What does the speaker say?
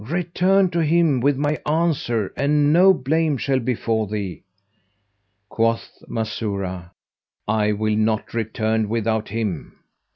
Return to him with my answer, and no blame shall befal thee!" Quoth Masurah, "I will not return without him."